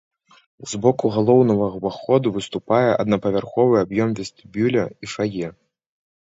З боку галоўнага ўваходу выступае аднапавярховы аб'ём вестыбюля і фае.